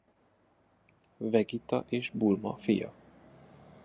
Vegita és Bulma fia.